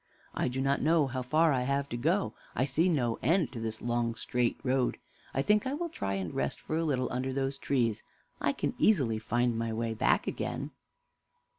I do not know how far I have to go. I see no end to this long, straight road. I think I will try and rest for a little under those trees. I can easily find my way back again."